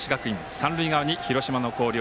三塁側に広島の広陵。